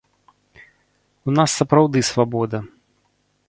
У нас сапраўды свабода.